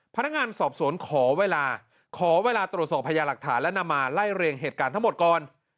พนักงานสอบสวนขอเวลาขอเวลาตรวจสอบพยาหลักฐานและนำมาไล่เรียงเหตุการณ์ทั้งหมดก่อน